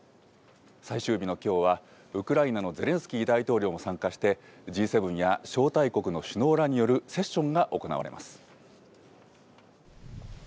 最終日のきょうは、ウクライナのゼレンスキー大統領も参加して、Ｇ７や招待国の首脳らによるセッションが行われます。